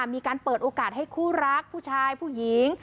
มีการเปิดโอกาสให้คู่รักผู้ชายผู้หญิง